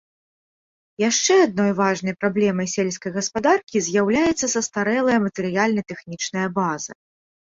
Яшчэ адной важнай праблемай сельскай гаспадаркі з'яўляецца састарэлая матэрыяльна-тэхнічная база.